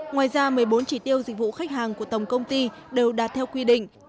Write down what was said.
ngoài ra một mươi bốn chỉ tiêu dịch vụ khách hàng của tổng công ty đều đạt theo quy định